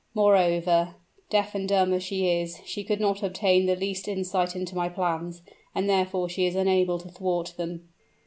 Moreover, deaf and dumb as she is, she could not obtain the least insight into my plans; and therefore she is unable to thwart them."